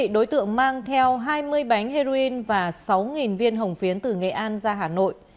đối tượng mang theo hai mươi bánh heroin và sáu viên hồng phiến từ nghệ an ra hà nội